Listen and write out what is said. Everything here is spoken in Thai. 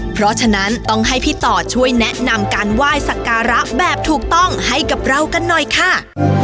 เพราะฉะนั้นต้องให้พี่ต่อช่วยแนะนำการไหว้สักการะแบบถูกต้องให้กับเรากันหน่อยค่ะ